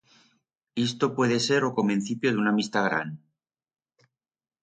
Isto puede ser o comencipio d'una amistat gran.